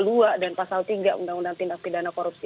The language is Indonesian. dan pasal tiga undang undang tindak pidana korupsi